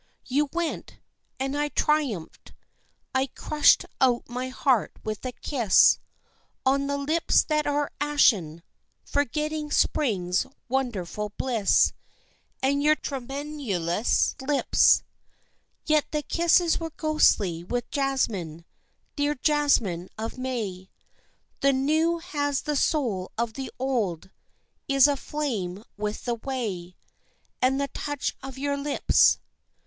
You went, and I triumphed I crushed out my heart with a kiss On the lips that are ashen, forgetting spring's wonderful bliss And your tremulous lips; Yet the kisses were ghostly with jasmine, dear jasmine of May The new has the soul of the old, is aflame with the way And the touch of your lips.